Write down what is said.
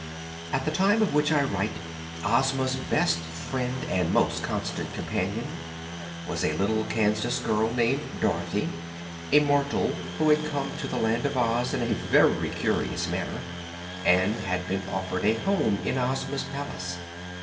At the time of which I write, Ozma's best friend and most constant companion was a little Kansas girl named Dorothy, a mortal who had come to the Land of Oz in a very curious manner and had been offered a home in Ozma's palace.